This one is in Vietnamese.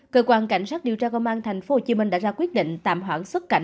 cơ quan cảnh sát điều tra công an thành phố hồ chí minh đã ra quyết định tạm hoãn xuất cảnh